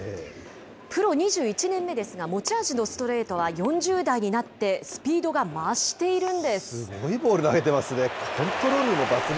プロ２１年目ですが、持ち味のストレートは４０代になってスピーすごいボール投げてますね。